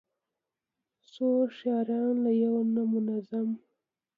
څو ښاريان له يو منظم،